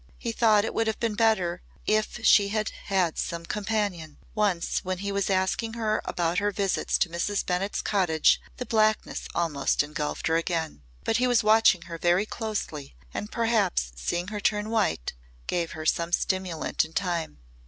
He thought it would have been better if she had had some companion. Once when he was asking her about her visits to Mrs. Bennett's cottage the blackness almost engulfed her again. But he was watching her very closely and perhaps seeing her turn white gave her some stimulant in time.